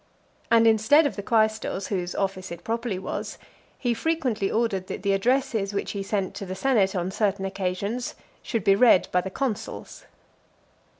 And instead of the quaestors, whose office it properly was, he frequently ordered that the addresses, which he sent to the senate on certain occasions, should be read by the consuls.